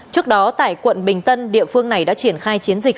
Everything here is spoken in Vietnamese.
trước đó tại quận bình tân địa phương này đã triển khai chiến dịch